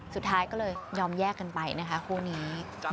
สุดท้ายก็เลยยอมแยกกันไปนะคะคู่นี้